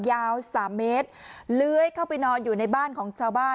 ยาว๓เมตรเลื้อยเข้าไปนอนอยู่ในบ้านของชาวบ้าน